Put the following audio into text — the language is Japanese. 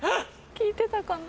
聞いてたかな。